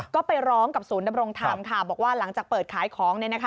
ก็ไปร้องกับศูนย์ดำรงธรรมค่ะบอกว่าหลังจากเปิดขายของ